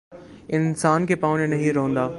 انسان کےپاؤں نے نہیں روندا